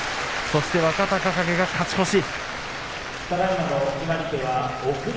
そして若隆景が勝ち越し。